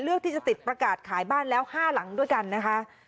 ที่จะติดประกาศขายบ้านแล้ว๕หลังด้วยกันนะคะ